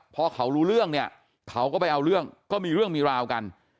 พอเขารู้เรื่องเนี่ยเขาก็ไปเอาเรื่องก็มีเรื่องมีราวกัน